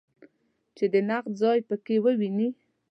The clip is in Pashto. چې د نقد ځای په کې وویني.